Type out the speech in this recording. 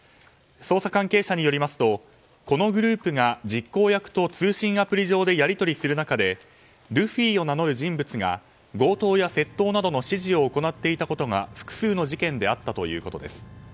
捜査関係者によりますとこのグループが実行役と通信アプリ上でやり取りする中でルフィを名乗る人物が強盗や窃盗などの指示を行っていたことが、複数の事件であったということです。